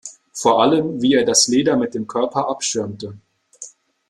Vor allem wie er das Leder mit dem Körper abschirmte.